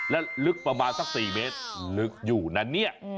และลึกประมาณสัก๔เมตรลึกอยู่นะเนี่ย